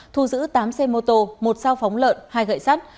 thu giữ tám xe mô tô một sao phóng lợn hai gậy sắt